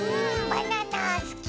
バナナすき！